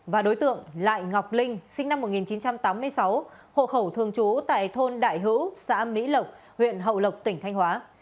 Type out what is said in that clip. và đối tượng lại ngọc linh sinh năm một nghìn chín trăm tám mươi sáu hộ khẩu thường trú tại thôn đại hữu xã mỹ lộc huyện hậu lộc tỉnh thanh hóa